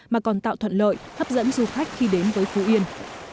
mà còn tạo thuận lợi hấp dẫn du khách khi đến với phú yên